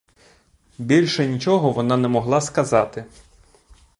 Більше нічого вона не могла сказати.